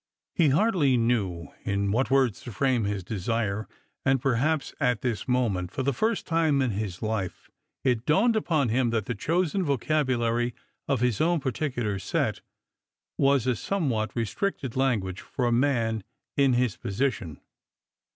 He hardly knew in what words to frame his desire ; and per haps at this moment, for the first time in his life, it dawned •jpon him that the chosen vocabulary of his own particular set was a somewhat restricted language for a man in his position.